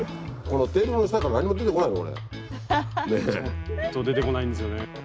ちょっと出てこないんですよね。